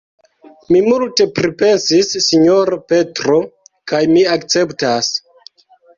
Mi multe pripensis, sinjoro Petro; kaj mi akceptas.